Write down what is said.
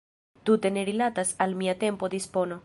Tute ne rilatas al mia tempo-dispono.